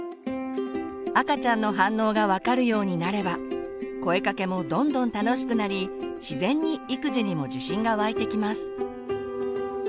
赤ちゃんの反応が分かるようになれば声かけもどんどん楽しくなり自然に育児にも自信が湧いてきます。